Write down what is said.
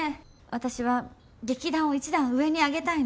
私は劇団を一段上に上げたいの。